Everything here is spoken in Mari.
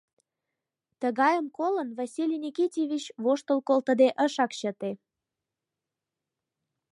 Тыгайым колын, Василий Никитьевич воштыл колтыде ышак чыте: